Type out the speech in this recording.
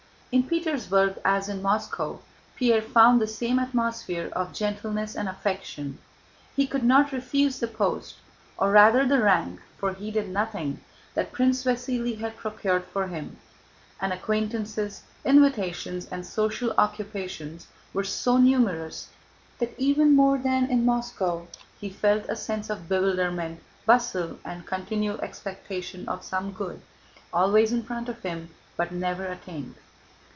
In Petersburg, as in Moscow, Pierre found the same atmosphere of gentleness and affection. He could not refuse the post, or rather the rank (for he did nothing), that Prince Vasíli had procured for him, and acquaintances, invitations, and social occupations were so numerous that, even more than in Moscow, he felt a sense of bewilderment, bustle, and continual expectation of some good, always in front of him but never attained.